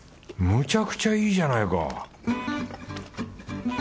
むちゃくちゃいいじゃないか